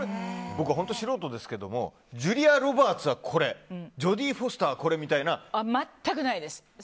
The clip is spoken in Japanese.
僕は本当に素人ですけどもジュリア・ロバーツはこれジョディ・フォスターは全くないです。